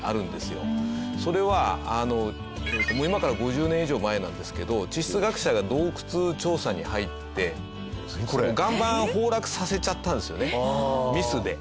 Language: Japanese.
それは今から５０年以上前なんですけど地質学者が洞窟調査に入って岩盤を崩落させちゃったんですよねミスで。